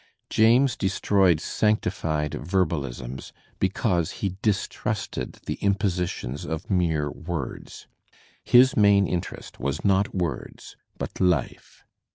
James destroyed sanctified verbal isms because he distrusted the impositions of. mere words. ^ His main interest was not words, but life.